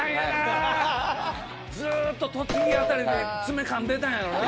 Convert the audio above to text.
ずっと栃木辺りで爪かんでたんやろな。